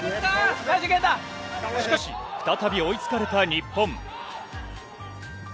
しかし、再び追いつかれた日本。